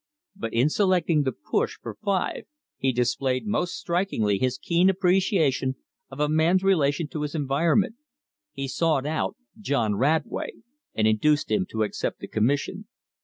But in selecting the "push" for Five he displayed most strikingly his keen appreciation of a man's relation to his environment. He sought out John Radway and induced him to accept the commission.